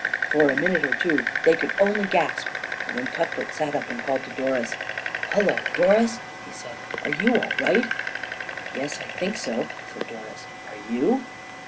For a minute or two they could only gasp, and then Cuthbert sat up and called to Doris. "Hullo, Doris!" he said; "are you all right?" "Yes, I think so," said Doris. "Are you?"